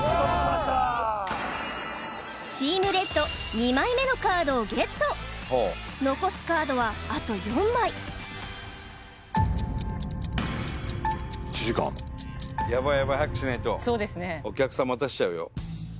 ２枚目のカードをＧＥＴ残すカードはあと４枚１時間ヤバいヤバい早くしないとそうですねお客さん待たせちゃうよ